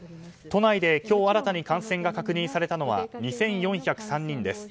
都内で今日新たに感染が確認されたのは２４０３人です。